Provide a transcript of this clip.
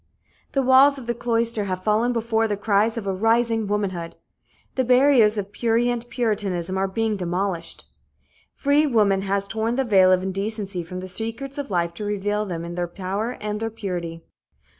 The walls of the cloister have fallen before the cries of a rising womanhood. The barriers of prurient puritanism are being demolished. Free woman has torn the veil of indecency from the secrets of life to reveal them in their power and their purity.